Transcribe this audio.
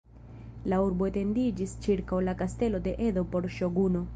La urbo etendiĝis ĉirkaŭ la kastelo de Edo por ŝoguno.